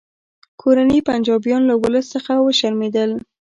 کورني پنجابیان له ولس څخه وشرمیدل